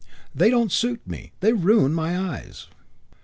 "They don't suit me. They ruin my eyes."